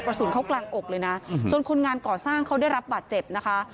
กระสุนเขากลางอกเลยนะจนคนงานก่อสร้างเขาได้รับบาดเจ็บนะคะ